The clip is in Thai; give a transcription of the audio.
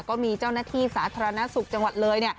ก็มีเจ้าหน้าที่สาธารณสุขจังหวัดเลย